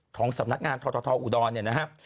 ของสำนักงานททอุดรนะครับ